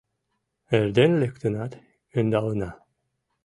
Эрден лектынат ӧндалына